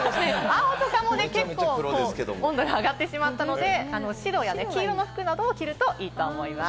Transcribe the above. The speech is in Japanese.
緑なども上がってしまったので、白や黄色の服を着るといいと思います。